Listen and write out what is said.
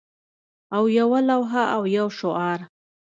او یوه لوحه او یو شعار